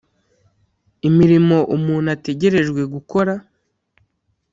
imirimo umuntu ategerejwe gukora;